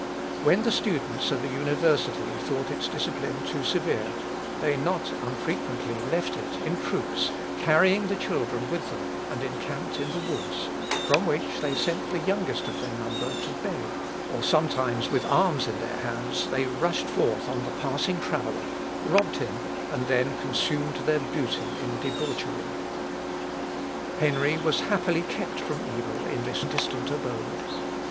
When the students of an university thought its discipline too severe, they not unfrequently left it in troops, carrying the children with them, and encamped in the woods, from which they sent the youngest of their number to beg, or sometimes with arms in their hands they rushed forth on the passing traveller, robbed him, and then consumed their booty in debauchery. Henry was happily kept from evil in this distant abode.